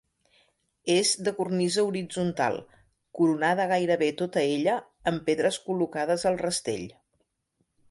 És de cornisa horitzontal coronada gairebé tota ella, amb pedres col·locades al rastell.